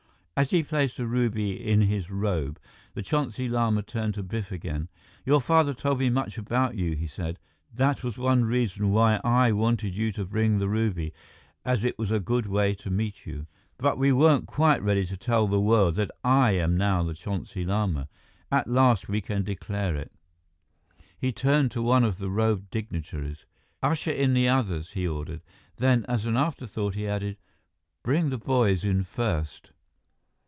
As he placed the ruby in his robe, the Chonsi Lama turned to Biff again. "Your father told me much about you," he said. "That was one reason why I wanted you to bring the ruby, as it was a good way to meet you. But we weren't quite ready to tell the world that I am now the Chonsi Lama. At last we can declare it." He turned to one of the robed dignitaries. "Usher in the others," he ordered. Then, as an afterthought, he added, "Bring the boys in first."